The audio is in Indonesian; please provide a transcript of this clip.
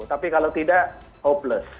tapi kalau tidak hopeless